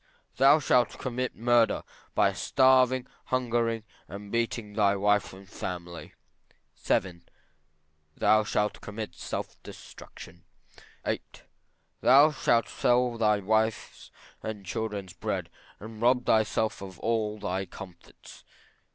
Thou shalt commit murder, by starving, hungering, and beating thy wife and family. VII. Thou shalt commit self destruction. VIII. Thou shalt sell thy wife's and children's bread and rob thyself of all thy comforts.